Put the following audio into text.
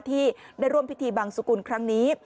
ที่ได้ร่วมพิธีบังสุกุลครั้งนี้